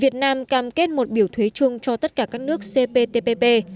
việt nam cam kết một biểu thuế chung cho tất cả các nước cptpp